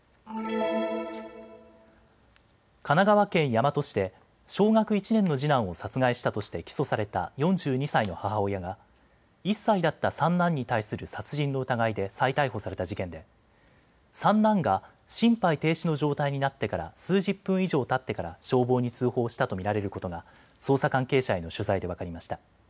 神奈川県大和市で小学１年の次男を殺害したとして起訴された４２歳の母親が１歳だった三男に対する殺人の疑いで再逮捕された事件で三男が心肺停止の状態になってから数十分以上たってから消防に通報したと見られることが捜査関係者への取材で分かりました。